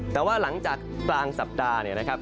แต่ว่าหลังจากกลางสัปดาห์เนี่ยนะครับ